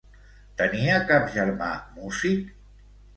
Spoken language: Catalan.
Tenia cap germà músic?